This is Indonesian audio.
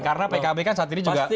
karena pkb kan saat ini juga